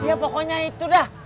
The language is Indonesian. ya pokoknya itu dah